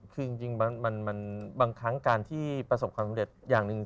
คือจริงบางครั้งการที่ประสบความสำเร็จอย่างหนึ่ง